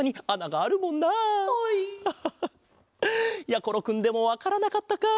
やころくんでもわからなかったか。